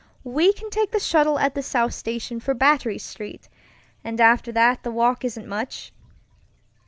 We can take the shuttle at the South Station for Battery Street, and after that the walk isn't much."